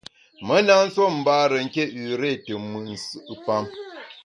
Me na nsuo mbare nké üré te mùt nsù’pam.